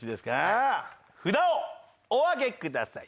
札をお上げください。